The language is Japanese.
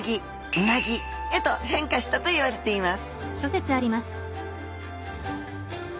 「うなぎ」へと変化したといわれています